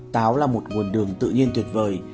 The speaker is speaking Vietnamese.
táo là một nguồn đường tự nhiên tuyệt vời